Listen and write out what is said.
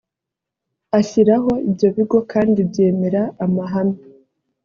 ashyiraho ibyo bigo kandi byemera amahame